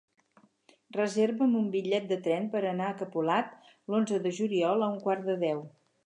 Reserva'm un bitllet de tren per anar a Capolat l'onze de juliol a un quart de deu.